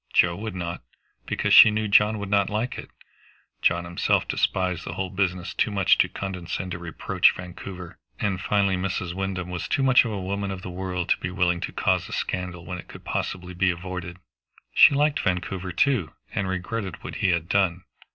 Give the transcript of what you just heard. Joe would not, because she knew John would not like it; John himself despised the whole business too much to condescend to reproach Vancouver; and, finally, Mrs. Wyndham was too much a woman of the world to be willing to cause a scandal when it could possibly be avoided. She liked Vancouver too, and regretted what he had done.